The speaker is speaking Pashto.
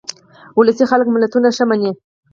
ولسي خلک متلونه ښه مني